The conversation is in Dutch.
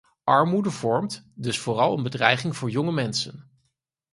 Armoede vormt dus vooral een bedreiging voor jonge mensen.